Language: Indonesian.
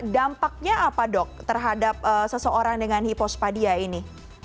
dampaknya apa dok terhadap seseorang dengan hipospadia ini